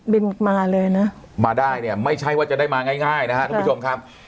มาเลยนะมาได้เนี่ยไม่ใช่ว่าจะได้มาง่ายง่ายนะครับทุกผู้ชมครับ